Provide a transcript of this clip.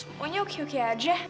semuanya oke oke aja